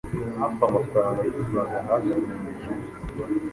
hafi amafaranga y’u Rwanda hafi ibihumbi ijana.